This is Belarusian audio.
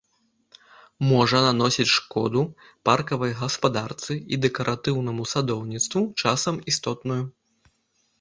Можа наносіць шкоду паркавай гаспадарцы і дэкаратыўнаму садоўніцтву, часам істотную.